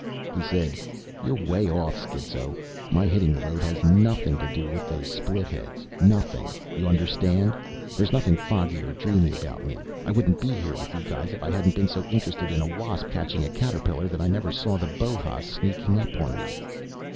He said, "You're way off, schizo. My hitting the road has nothing to do with those split heads. Nothing, you understand? There's nothing foggy or dreamy about me. I wouldn't be here with you guys if I hadn't been so interested in a wasp catching a caterpillar that I never saw the Bohas sneaking up on me."